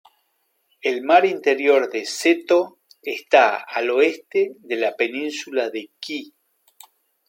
El mar Interior de Seto está al oeste de la península de Kii.